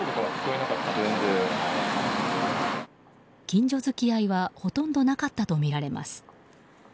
近所付き合いはほとんどなかったとみられます。